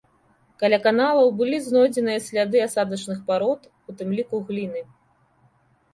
Каля каналаў былі знойдзеныя сляды асадачных парод, у тым ліку гліны.